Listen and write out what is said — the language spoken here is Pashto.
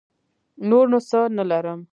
نور نو څه نه لرم.